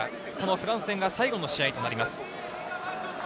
フランス戦が最後の試合となります。